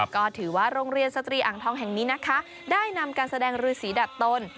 ก็ถือว่าโรงเรียนสตรีอ่างทองแห่งนี้นะคะได้นำการแสดงรือสีดัดตน